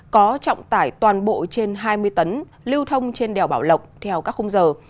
có trọng tải toàn bộ trên hai mươi tấn lưu thông trên đèo bảo lộc theo các khung giờ